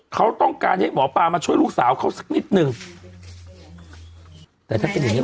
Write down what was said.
เขาต้องการให้หมอปลามาช่วยลูกสาวเขาสักนิดหนึ่งแต่ถ้าเป็นอย่างงี